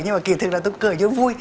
nhưng mà kỳ thực là tôi cười cho vui